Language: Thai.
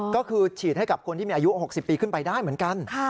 ก็คือฉีดให้กับคนที่มีอายุ๖๐ปีขึ้นไปได้เหมือนกัน